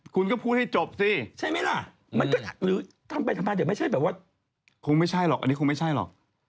คงไม่ใช่หรอกอันนี้คงไม่ใช่หรอก